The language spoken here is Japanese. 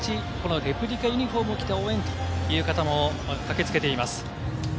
レプリカユニホームを着て応援という方も駆けつけています。